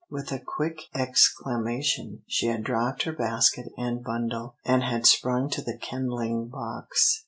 With a quick exclamation, she had dropped her basket and bundle, and had sprung to the kindling box.